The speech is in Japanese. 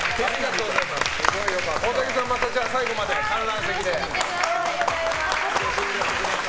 大竹さん、最後まで観覧席で。